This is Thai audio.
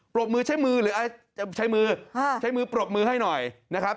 รบมือใช้มือหรือจะใช้มือใช้มือปรบมือให้หน่อยนะครับ